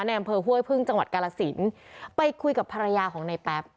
อำเภอห้วยพึ่งจังหวัดกาลสินไปคุยกับภรรยาของในแป๊บ